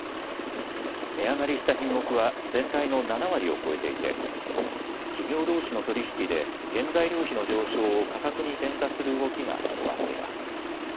値上がりした品目は全体の７割を超えていて企業どうしの取り引きで原材料費の上昇を価格に転嫁する動きが広がっています。